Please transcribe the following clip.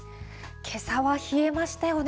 けさは冷えましたよね。